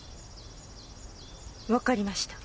わかりました。